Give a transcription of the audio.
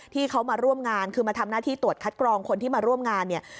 ที่เขามาร่วมงานคือมาทำหน้าที่ตรวจคัดกรองคนที่มาร่วมงานเนี่ย